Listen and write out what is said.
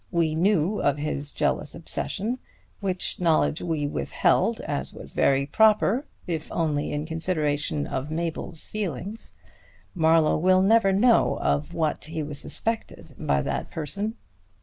We knew of his jealous obsession; which knowledge we withheld, as was very proper, if only in consideration of Mabel's feelings. Marlowe will never know of what he was suspected by that person.